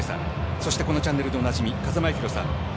そしてこのチャンネルでおなじみ風間八宏さん。